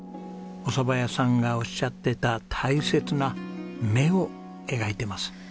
おそば屋さんがおっしゃってた大切な「目」を描いてます。